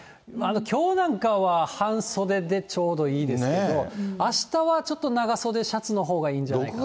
きょうなんかは、半袖でちょうどいいですけど、あしたはちょっと長袖シャツのほうがいいんじゃないか。